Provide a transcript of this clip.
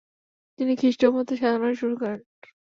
তিনি খ্রিস্টীয় মতে সাধনা শুরু করেন।